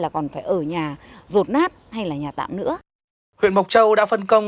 cán bộ thuộc diện